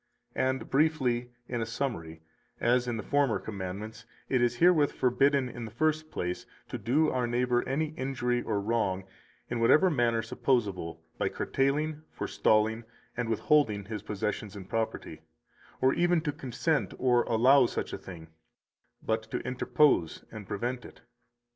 And briefly, in a summary, as in the former commandments, it is herewith forbidden, in the first place, to do our neighbor any injury or wrong (in whatever manner supposable, by curtailing, forestalling, and withholding his possessions and property), or even to consent or allow such a thing, but to interpose and prevent it.